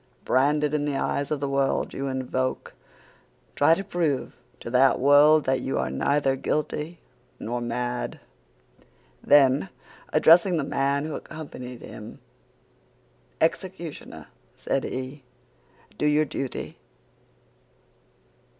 Branded in the eyes of the world you invoke, try to prove to that world that you are neither guilty nor mad!' "Then, addressing the man who accompanied him, 'Executioner,' said he, 'do your duty.